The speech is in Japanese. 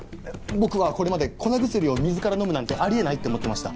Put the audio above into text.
僕はこれまで粉薬を水から飲むなんてあり得ないって思ってました。